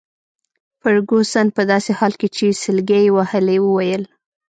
فرګوسن په داسي حال کي چي سلګۍ يې وهلې وویل.